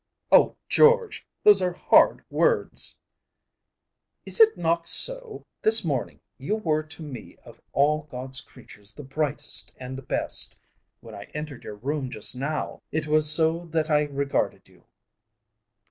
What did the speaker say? "Oh, George, those are hard words!" "Is it not so? This morning you were to me of all God's creatures the brightest and the best. When I entered your room just now it was so that I regarded you.